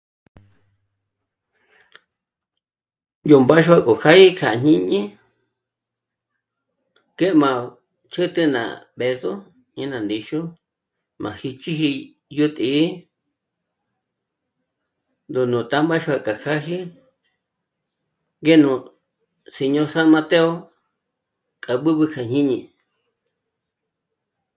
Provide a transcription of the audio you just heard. Yó mbáxua 'ó jâyé kja jñíni ngé m'a chü̂t'ü ná bë̌zo ñe ná ndíxu m'a hích'iji yó tǐ'i ndó ná tá'a máxua k'a t'áji ngé nú síño San Mateo k'a b'ǚb'ü kja jñíni